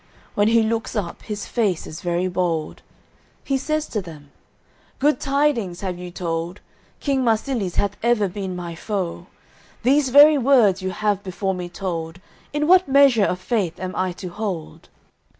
When he looks up, his face is very bold, He says to them: "Good tidings have you told. King Marsilies hath ever been my foe. These very words you have before me told, In what measure of faith am I to hold?"